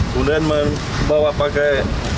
kemudian membawa pakai